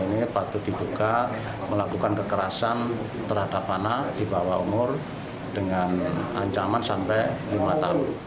ini patut dibuka melakukan kekerasan terhadap anak di bawah umur dengan ancaman sampai lima tahun